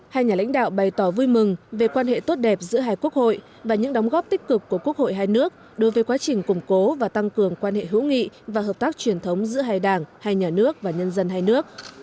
hai nhà lãnh đạo bày tỏ vui mừng về quan hệ tốt đẹp giữa hai quốc hội và những đóng góp tích cực của quốc hội hai nước đối với quá trình củng cố và tăng cường quan hệ hữu nghị và hợp tác truyền thống giữa hai đảng hai nhà nước và nhân dân hai nước